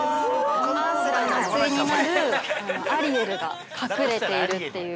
アースラの対になるアリエルが隠れているという。